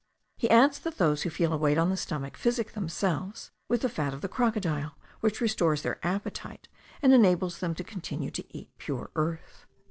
He adds that those who feel a weight on the stomach physic themselves with the fat of the crocodile which restores their appetite and enables them to continue to eat pure earth.